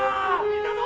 いたぞ！